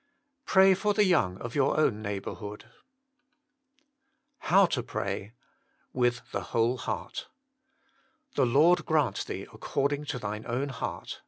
Pray for the young of your own neighbourhood. HOW TO PEAT. tERitlj the "The Lord grant thee according to thine own heart."